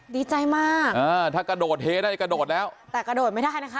ดีใจมากอ่าถ้ากระโดดเฮได้กระโดดแล้วแต่กระโดดไม่ได้นะคะ